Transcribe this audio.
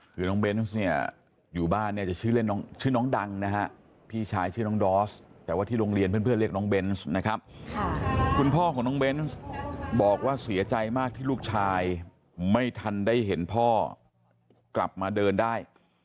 คุณพ่อของน้องเบนส์บอกว่าเสียใจมากที่ลูกชายไม่ทันได้เห็นพ่อกลับมาเดินได้